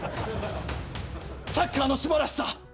サッカーのすばらしさ